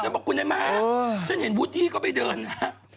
ฉันก็บอกคุณใหญ่หมาฉันเห็นวูดดี้ก็ไปเดินนะ